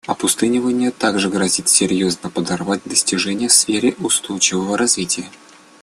Опустынивание также грозит серьезно подорвать достижения в сфере устойчивого развития.